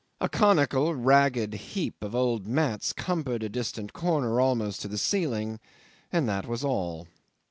A conical ragged heap of old mats cumbered a distant corner almost to the ceiling, and that was all.